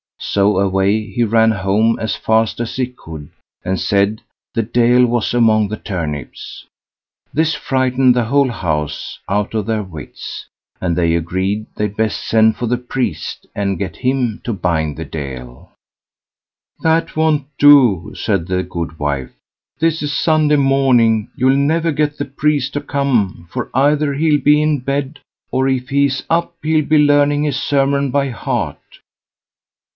So away he ran home as fast as he could, and said the Deil was among the turnips. This frightened the whole house out of their wits, and they agreed they'd best send for the priest, and get him to bind the Deil. "That won't do", said the goodwife, "this is Sunday morning, you'll never get the priest to come; for either he'll be in bed; or if he's up, he'll be learning his sermon by heart."